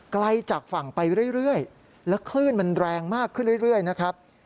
ไกลจากฝั่งไปเรื่อยแล้วคลื่นมันแรงมากขึ้นเรื่อยนะครับ